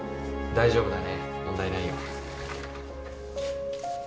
大丈夫だね問題ないよ。